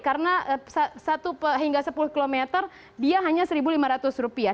karena satu hingga sepuluh kilometer dia hanya satu lima ratus rupiah